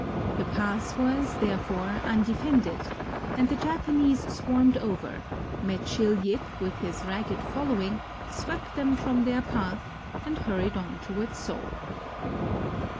The pass was, therefore, undefended, and the Japanese swarmed over, met Sil Yip with his ragged following, swept them from their path, and hurried on toward Seoul.